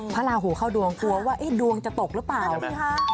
พระราหูเข้าดวงกลัวว่าดวงจะตกหรือเปล่า